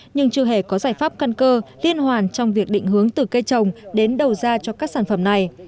nhưng chưa hề có giải pháp căn cơ liên hoàn trong việc định hướng từ cây trồng đến đầu ra cho các sản phẩm này